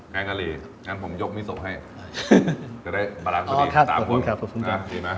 แกงกะลีครับงั้นผมยกวิโซให้จะได้บลาลันซ์สุดี